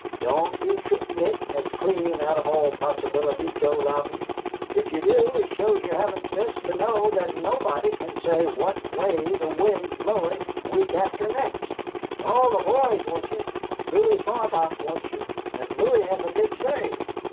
"Don't be treatin' it as clean out of all possibility, Joe Louden. If ye do, it shows ye haven't sense to know that nobody can say what way the wind's blowin' week after next. All the boys want ye; Louie Farbach wants ye, and Louie has a big say.